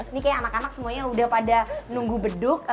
ini kayak anak anak semuanya udah pada nunggu beduk